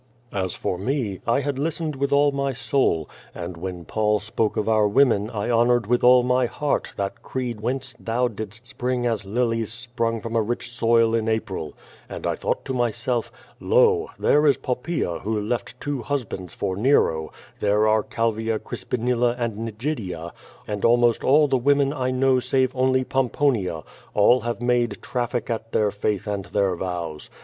As for me, I had listened with all my soul, and when Paul spoke of our women I honored with all my lieart that creed whence thou didst spring as lilies spring from a rich soil in April. And I tliought to myself, *Lo! there is Poppaea who left two husbands for Nero, there are Calvia Crispinilla and Nigidia, and almost all the women I know save only Pomponia, all have made traffic at their faith and their vows.